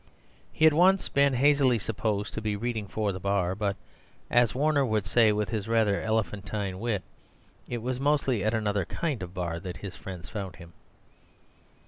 He had once been hazily supposed to be reading for the Bar; but (as Warner would say with his rather elephantine wit) it was mostly at another kind of bar that his friends found him.